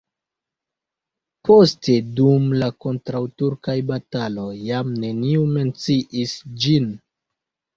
Poste dum la kontraŭturkaj bataloj jam neniu menciis ĝin.